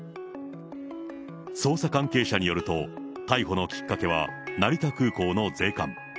捜査関係者によると、逮捕のきっかけは、成田空港の税関。